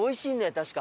確か。